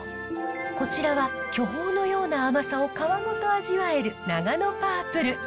こちらは巨峰のような甘さを皮ごと味わえるナガノパープル。